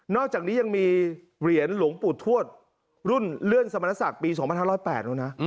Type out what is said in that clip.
อกจากนี้ยังมีเหรียญหลวงปู่ทวดรุ่นเลื่อนสมณศักดิ์ปี๒๕๐๘แล้วนะ